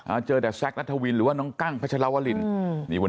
อะเจอแต่แซ็กรัฐวิลหรือว่าน้องกังพระคาชาลาวลีนอืม